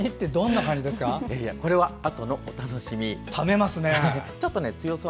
これはあとのお楽しみ。